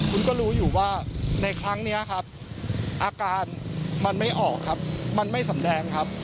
คุณก็รู้อยู่ว่าในครั้งนี้ครับอาการมันไม่ออกครับมันไม่สำแดงครับ